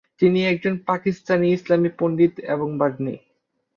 তিনি একজন পাকিস্তানি ইসলামি পণ্ডিত এবং বাগ্মী।